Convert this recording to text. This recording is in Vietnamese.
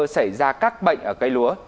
xảy ra các bệnh ở cây lúa